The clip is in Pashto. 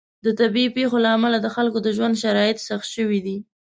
د طبیعي پیښو له امله د خلکو د ژوند شرایط سخت شوي دي.